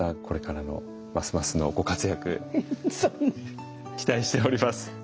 これからのますますのご活躍期待しております。